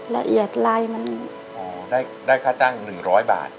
ละเอียดลายมันได้ค่าจ้าง๑๐๐บาท